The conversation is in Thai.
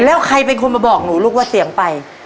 แล้วใครเป็นคนมาบอกหนูลูกว่าเสียงไป